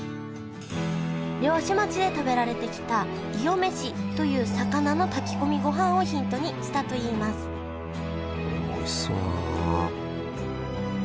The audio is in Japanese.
漁師町で食べられてきた魚飯という魚の炊き込みごはんをヒントにしたといいますおいしそうだな。